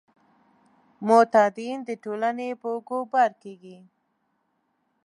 معتادین د ټولنې په اوږو بار کیږي.